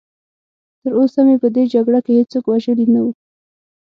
تراوسه مې په دې جګړه کې هېڅوک وژلی نه و.